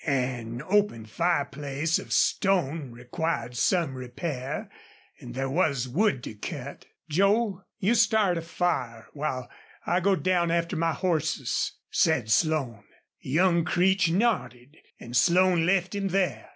An open fireplace of stone required some repair and there was wood to cut. "Joel, you start a fire while I go down after my horses," said Slone. Young Creech nodded and Slone left him there.